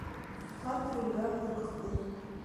Ҡарт рулгә һырыҡты.